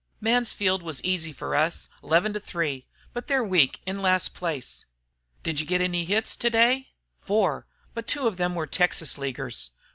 "Mansfield was easy for us, 11 to 3. But they're weak, in last place." "Did you get any hits today?" "Four, but two of them were Texas leaguers."